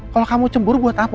kalo kamu cemburu buat apa